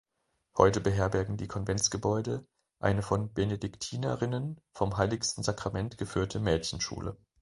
Heute beherbergen die Konventsgebäude eine von Benediktinerinnen vom Heiligsten Sakrament geführte Mädchenschule.